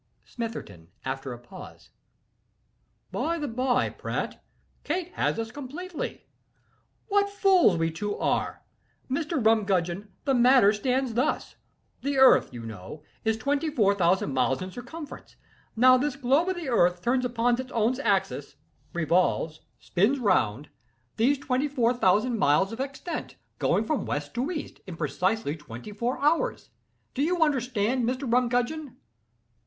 SMITHERTON. (After a pause.) "By the by, Pratt, Kate has us completely. What fools we two are! Mr. Rumgudgeon, the matter stands thus: the earth, you know, is twenty four thousand miles in circumference. Now this globe of the earth turns upon its own axis—revolves—spins round—these twenty four thousand miles of extent, going from west to east, in precisely twenty four hours. Do you understand, Mr. Rumgudgeon?